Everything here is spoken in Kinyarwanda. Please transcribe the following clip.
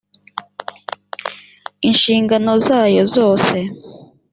inshingano zayo zose